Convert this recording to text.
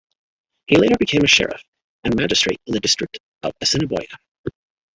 He later became a sheriff and magistrate in the District of Assiniboia.